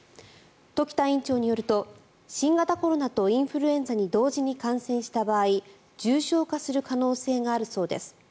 時田院長によると新型コロナとインフルエンザに同時に感染した場合重症化する可能性があるそうです。